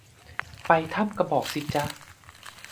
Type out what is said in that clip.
ไปถ้ำกระบอกสิจ๊ะ